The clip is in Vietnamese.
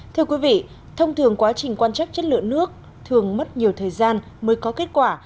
thưa quý vị thông thường quá trình quan chắc chất lượng nước thường mất nhiều thời gian mới có kết quả